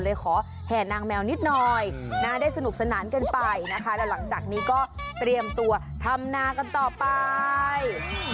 ขอแห่นางแมวนิดหน่อยนะได้สนุกสนานกันไปนะคะแล้วหลังจากนี้ก็เตรียมตัวทำนากันต่อไป